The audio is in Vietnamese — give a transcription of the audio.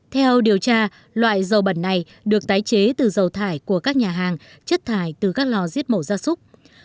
theo điều tra loại dầu bẩn này được tái chế từ dầu thải của các nhà hàng chất thải từ các lò giết mổ ra súc